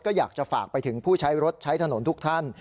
ก็อยากจะฝากไปถึงผู้ใช้รถใช้ถนนทุกท่าน